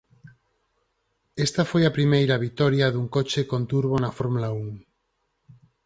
Esta foi a primeira vitoria dun coche con turbo na Fórmula Un.